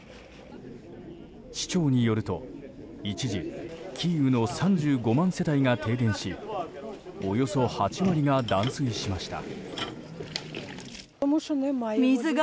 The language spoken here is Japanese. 市長によると、一時キーウの３５万世帯が停電しおよそ８割が断水しました。